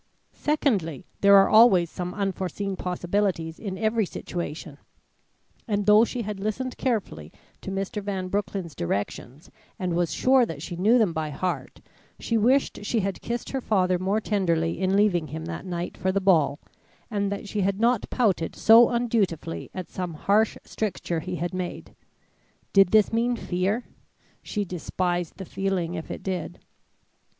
Secondly: there are always some unforeseen possibilities in every situation, and though she had listened carefully to Mr. Van Broecklyn's directions and was sure that she knew them by heart, she wished she had kissed her father more tenderly in leaving him that night for the ball, and that she had not pouted so undutifully at some harsh stricture he had made. Did this mean fear? She despised the feeling if it did.